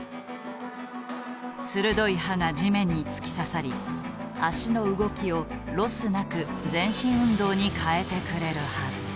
鋭い刃が地面に突き刺さり足の動きをロスなく前進運動に変えてくれるはず。